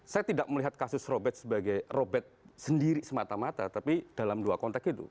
saya tidak melihat kasus robert sebagai robert sendiri semata mata tapi dalam dua konteks itu